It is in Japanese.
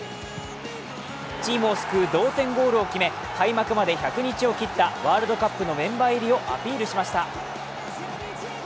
チームを救う同点ゴールを決め開幕まで１００日を切ったワールドカップのメンバー入りをアピールしました。